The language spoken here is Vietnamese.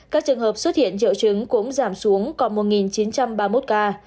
các trường hợp xuất hiện triệu chứng cũng giảm xuống còn một chín trăm ba mươi một ca